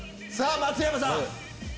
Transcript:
さぁ松山さん。